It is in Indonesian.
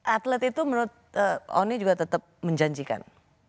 atlet itu menurut oni juga tetap menjanjikan